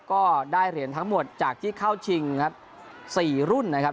ก็ได้เหรียญทั้งหมดจากที่เข้าชิงครับ๔รุ่นนะครับ